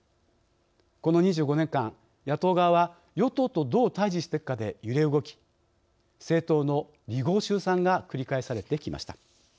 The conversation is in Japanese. この２５年間野党側は与党とどう対じしていくかで揺れ動き政党の離合集散が繰り返されてきました。